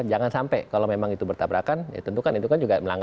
jangan sampai kalau memang itu bertabrakan ya tentu kan itu kan juga melanggar